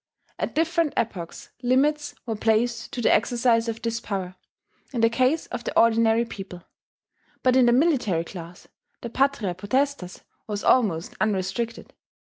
At different epochs limits were placed to the exercise of this power, in the case of the ordinary people; but in the military class, the patria potestas was almost unrestricted.